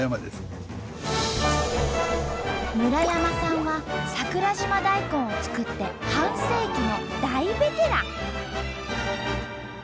村山さんは桜島大根を作って半世紀の大ベテラン！